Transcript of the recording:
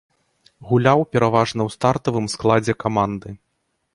Гуляў пераважна ў стартавым складзе каманды.